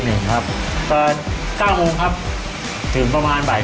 เปิด๙โมงครับถึงประมาณบ่าย๓